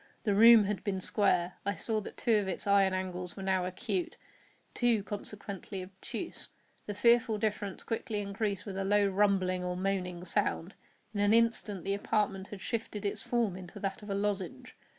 The room had been square. I saw that two of its iron angles were now acute—two, consequently, obtuse. The fearful difference quickly increased with a low rumbling or moaning sound. In an instant the apartment had shifted its form into that of a lozenge.